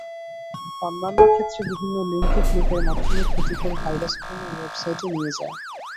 অন্যান্য ক্ষেত্রে বিভিন্ন লিংকে ক্লিকের মাধ্যমে ক্ষতিকর ভাইরাসপূর্ণ ওয়েবসাইটে নিয়ে যায়।